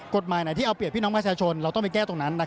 กฎหมายไหนที่เอาเปรียบพี่น้องประชาชนเราต้องไปแก้ตรงนั้น